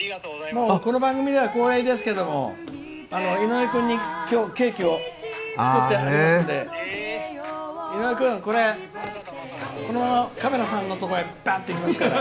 もうこの番組では恒例でですけど井上君にケーキを作ってありますのでこのままカメラさんのところにバッといきますから。